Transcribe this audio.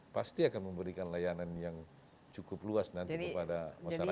pasti akan memberikan layanan yang cukup luas nanti kepada masyarakat